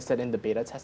seperti yang saya katakan